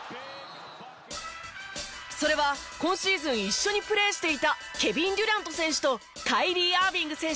それは今シーズン一緒にプレーしていたケビン・デュラント選手とカイリー・アービング選手